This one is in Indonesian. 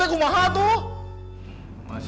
duh gibt juga dasar gue mateix